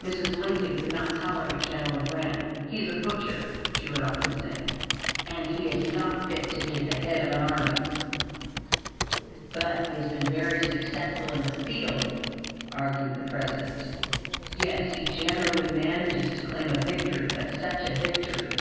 Mrs. Lincoln could not tolerate General Grant. "He is a butcher," she would often say, "and is not fit to be at the head of an army." "But he has been very successful in the field," argued the President. "Yes, he generally manages to claim a victory, but such a victory!